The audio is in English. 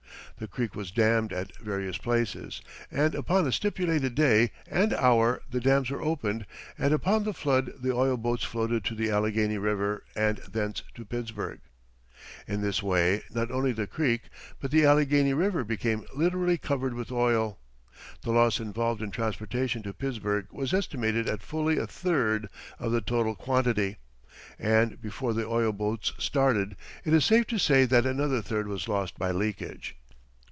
The creek was dammed at various places, and upon a stipulated day and hour the dams were opened and upon the flood the oil boats floated to the Allegheny River, and thence to Pittsburgh. In this way not only the creek, but the Allegheny River, became literally covered with oil. The loss involved in transportation to Pittsburgh was estimated at fully a third of the total quantity, and before the oil boats started it is safe to say that another third was lost by leakage.